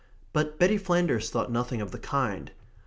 But Betty Flanders thought nothing of the kind.